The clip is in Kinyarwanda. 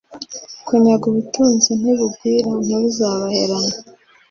kunyaga ubutunzi nibugwira ntibuzabaherane